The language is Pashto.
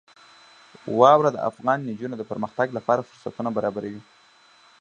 واوره د افغان نجونو د پرمختګ لپاره فرصتونه برابروي.